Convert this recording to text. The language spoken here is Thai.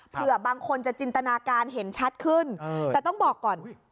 เผื่อบางคนจะจินตนาการเห็นชัดขึ้นแต่ต้องบอกก่อน